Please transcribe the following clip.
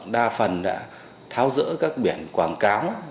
đa phần đã tháo rỡ các biển quảng cáo